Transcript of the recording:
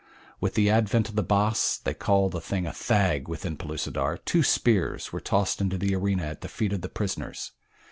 With the advent of the Bos they call the thing a thag within Pellucidar two spears were tossed into the arena at the feet of the prisoners.